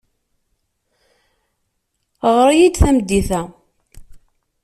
Ɣer-iyi-d tameddit-a.